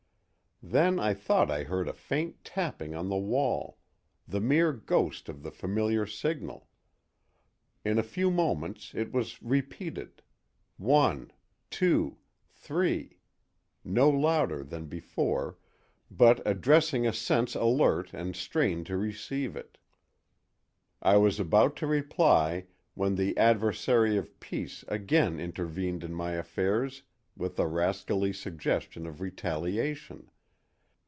Then I thought I heard a faint tapping on the wall—the mere ghost of the familiar signal. In a few moments it was repeated: one, two, three—no louder than before, but addressing a sense alert and strained to receive it. I was about to reply when the Adversary of Peace again intervened in my affairs with a rascally suggestion of retaliation.